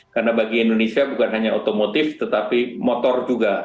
karena bagi indonesia bukan hanya otomotif tetapi motor juga